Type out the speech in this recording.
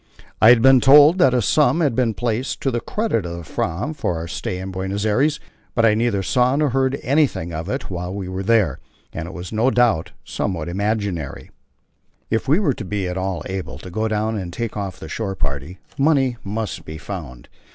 I had been told that a sum had been placed to the credit of the Fram for our stay in Buenos Aires, but I neither saw nor heard anything of it while we were there, and it was no doubt somewhat imaginary. If we were to be at all able to go down and take off the shore party money must be found.